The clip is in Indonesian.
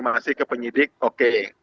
kemudian kami kembali ke penyidik oke